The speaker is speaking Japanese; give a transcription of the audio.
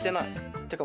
ってか